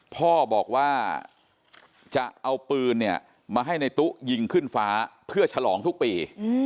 พ่อบอกว่าจะเอาปืนเนี่ยมาให้ในตู้ยิงขึ้นฟ้าเพื่อฉลองทุกปี